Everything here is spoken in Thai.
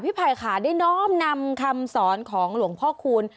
ไผ่ค่ะได้น้อมนำคำสอนของหลวงพ่อคูณ